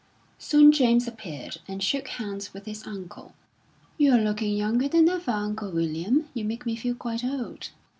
Soon James appeared, and shook hands with his uncle. "You're looking younger than ever, Uncle William. You make me feel quite old."